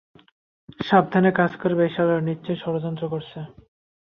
সাবধানে কাজ করবে এই সালারা নিশ্চয় ষড়যন্ত্র করছে।